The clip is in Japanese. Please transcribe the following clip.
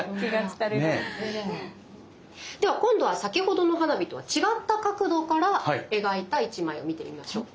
では今度は先ほどの花火とは違った角度から描いた１枚を見てみましょう。